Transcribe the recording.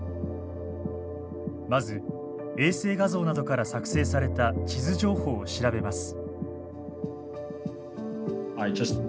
まず衛星画像などから作成された地図情報を調べます。